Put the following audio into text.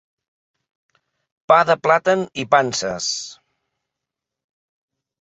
Pa de plàtan i panses.